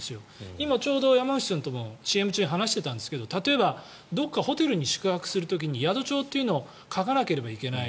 今、ちょうど山口さんともＣＭ中に話していたんですが例えばどこかホテルに宿泊する時に宿帳というのを書かなければいけない。